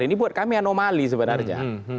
ini buat kami anomali sebenarnya